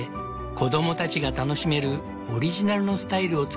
子供たちが楽しめるオリジナルのスタイルを作り出した。